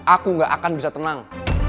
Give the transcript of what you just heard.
aku gak akan bisa tenang